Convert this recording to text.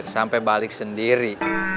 sampai balik sendiri